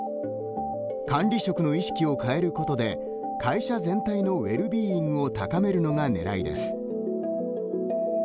管理職の意識を変えることで会社全体のウェルビーイングを高めるのがねらいです。